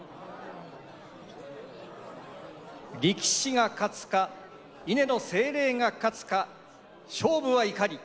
力士が勝つか稲の精霊が勝つか勝負はいかに！